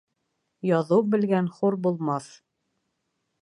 Яҙыу белгән хур булмаҫ.